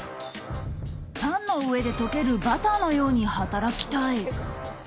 パンの上で溶けるバターのように働きたい。